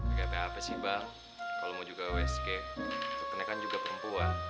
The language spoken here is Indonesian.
enggak apa apa sih bang kalau lo mau juga wsg ternyata kan juga perempuan